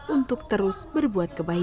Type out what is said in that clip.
untuk terus berbuat kebaikan